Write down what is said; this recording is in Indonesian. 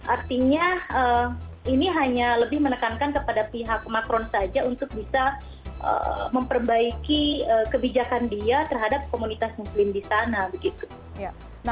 artinya ini hanya lebih menekankan kepada pihak macron saja untuk bisa memperbaiki kebijakan dia terhadap komunitas muslim di sana